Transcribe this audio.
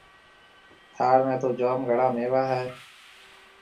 ٿاݪ ۾ تو جوم گھڻا ميوا هيَ۔